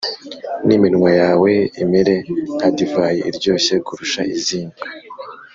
n iminwa yawe imere nka divayi iryoshye kurusha izindi